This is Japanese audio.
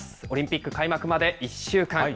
オリンピック開幕まで１週間。